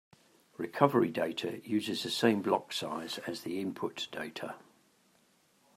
Recovery data uses the same block size as the input data.